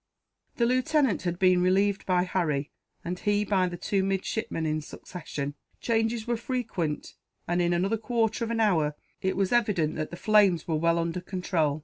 The lieutenant had been relieved by Harry, and he by the two midshipmen, in succession. Changes were frequent and, in another quarter of an hour, it was evident that the flames were well under control.